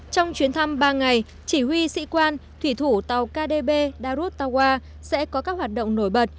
trong chuyến thăm ba ngày chỉ huy sĩ quan thủy thủ tàu kdb darustawa sẽ có các hoạt động nổi bật